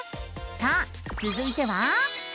さあつづいては。